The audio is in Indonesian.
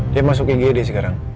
dia masuk igd sekarang